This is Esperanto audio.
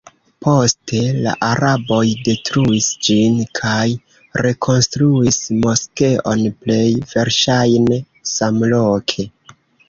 Poste la araboj detruis ĝin kaj rekonstruis moskeon plej verŝajne samloke.